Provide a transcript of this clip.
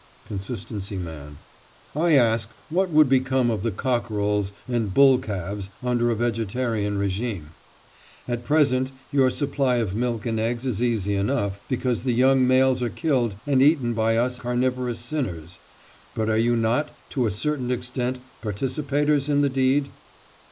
CONSISTENCY MAN: I ask, what would become of the cockerels and bull calves under a vegetarian régime? At present your supply of milk and eggs is easy enough, because the young males are killed and eaten by us carnivorous sinners. But are you not, to a certain extent, participators in the deed?